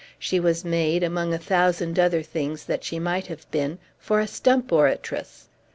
She was made (among a thousand other things that she might have been) for a stump oratress.